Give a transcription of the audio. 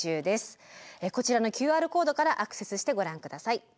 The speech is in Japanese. こちらのＱＲコードからアクセスしてご覧下さい。